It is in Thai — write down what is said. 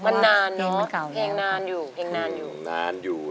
สวัสดีครับ